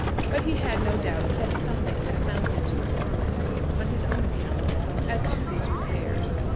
But he had, no doubt, said something that amounted to a promise on his own account as to these repairs.